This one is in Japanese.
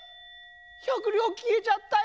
１００りょうきえちゃったよ！